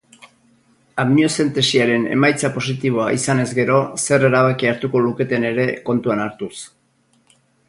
Amniozentesiaren emaitza positiboa izanez gero zer erabaki hartuko luketen ere kontuan hartuz.